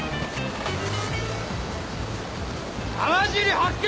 浜尻発見！